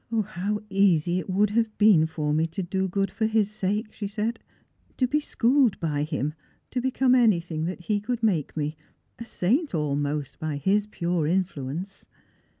How easy it would have been for me to do good for his sake," she said ; "to be srhooled by him, to be tome anything that he could make me — a saint almost — by his pure influence!"